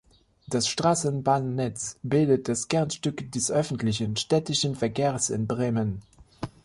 Das Straßenbahnnetz bildet das Kernstück des öffentlichen städtischen Verkehrs in Bremen.